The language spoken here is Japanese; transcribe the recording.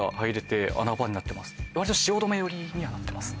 そう割と汐留寄りにはなってます